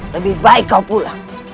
lebih baik kau pulang